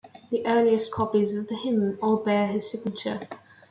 The earliest copies of the hymn all bear his signature.